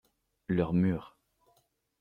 Leurs murs.